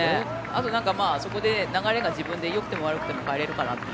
後、そこで流れが自分で良くても悪くても変えれるかなっていう。